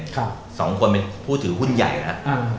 สองคนเป็นผู้ถือหุ้นใหญ่นะ